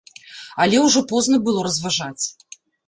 Але ўжо позна было разважаць.